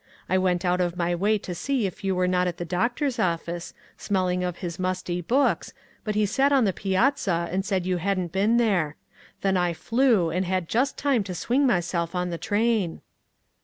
I went out of my way to see if you were not at the doctor's of fice, smelling of his musty books, but he sat on the piazza, and said you hadn't been there. Then I flew, and had just time to swing myself on the train."